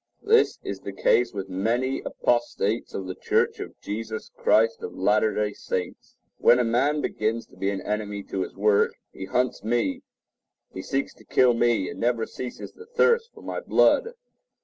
This is the case with many apostates of the Church of Jesus Christ of Latter day Saints. When a man begins to be an enemy to this work, he hunts me, he seeks to kill me, and never ceases to thirst for my blood.